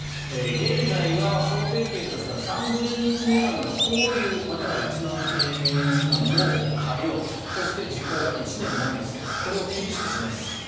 現在は法定刑としては３０日未満の拘留または１万円未満の科料そして時効が１年なんですがこれを厳しくします。